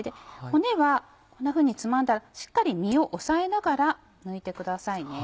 骨はこんなふうにつまんだらしっかり身を押さえながら抜いてくださいね。